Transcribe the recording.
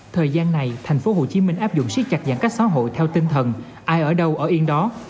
thời gian này tp hcm áp dụng siết chặt giãn cách xã hội theo tinh thần ai ở đâu ở yên đó